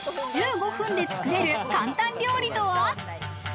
１５分でつくれる簡単料理とは？